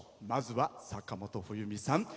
まずは坂本冬美さん。